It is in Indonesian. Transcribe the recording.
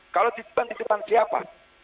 kalau titipan titipan siapa